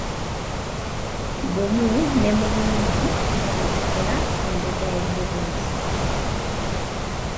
Bumu ne mu bungi nga bwe zikola ku ndeega y’eddoboozi.